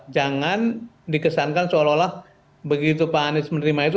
jangan dikesankan seolah olah begitu pak anies menerima itu